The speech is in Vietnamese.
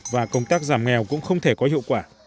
và công tác giảm nghèo cũng không thể có hiệu quả